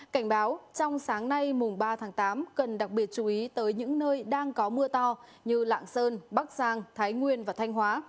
cảnh báo trong sáng nay mùng ba tháng tám cần đặc biệt chú ý tới những nơi đang có mưa to như lạng sơn bắc giang thái nguyên và thanh hóa